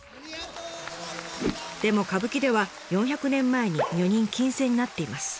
でも歌舞伎では４００年前に女人禁制になっています。